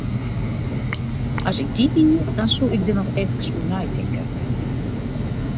As ik dy wie, dan soe ik der noch efkes oer neitinke.